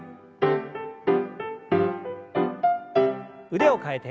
腕を替えて。